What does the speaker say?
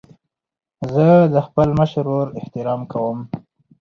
زه د خپل مشر ورور احترام کوم.